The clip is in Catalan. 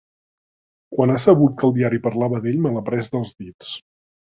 Quan ha sabut que el diari parlava d'ell, me l'ha pres dels dits.